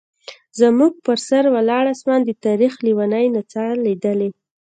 زموږ پر سر ولاړ اسمان د تاریخ لیونۍ نڅا لیدلې.